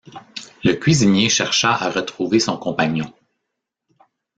Le cuisinier chercha à retrouver son compagnon.